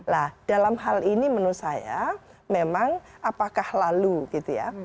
nah dalam hal ini menurut saya memang apakah lalu gitu ya